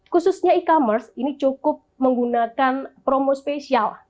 khususnya e commerce ini cukup menggunakan promo spesial